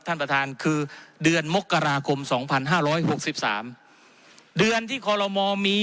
ท่านประธานคือเดือนมกราคมสองพันห้าร้อยหกสิบสามเดือนที่คอลโลมอมี